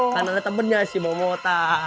kanan ketembennya si momota